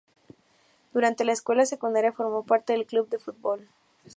Durante la escuela secundaria formó parte del club de fútbol.